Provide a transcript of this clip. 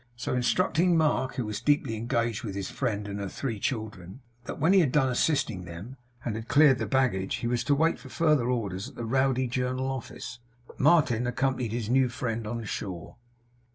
So, instructing Mark, who was deeply engaged with his friend and her three children, that when he had done assisting them, and had cleared the baggage, he was to wait for further orders at the Rowdy Journal Office, Martin accompanied his new friend on shore.